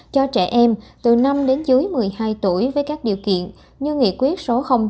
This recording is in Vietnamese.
cho trẻ em từ năm đến dưới một mươi hai tuổi với các điều kiện như nghị quyết số năm